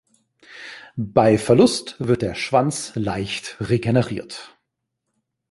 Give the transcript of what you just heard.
Bei Verlust wird der Schwanz leicht regeneriert.